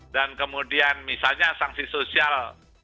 dan kemudian misalnya sanksi sosial